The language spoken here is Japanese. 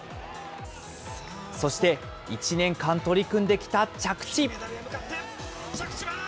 そして、１年間取り組んできた着地。